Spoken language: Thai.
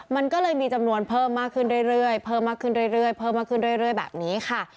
มันก็เลยมีจำนวนเพิ่มมากขึ้นเรื่อยแบบนี้ค่ะ